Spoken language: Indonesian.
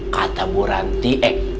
kata bu ranti eh